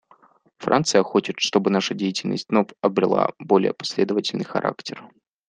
Франция хочет, чтобы наша деятельность вновь обрела более последовательный характер.